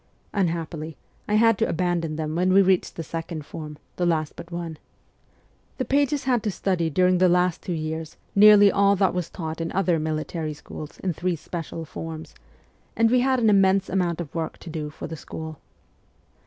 Unhappily, I had to abandon them when we reached the second form (the last but one). The pages had to study during the last two years nearly all that was taught in other military schools in three ' special ' forms, and we had an immense amount of work to do for the school.